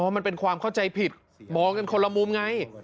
มันเป็นความเข้าใจผิดมองกันคนละมุมไง